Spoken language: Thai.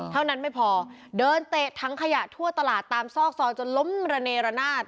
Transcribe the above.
เท่านั้นไม่พอเดินเตะถังขยะทั่วตลาดตามซอกซอยจนล้มระเนรนาศ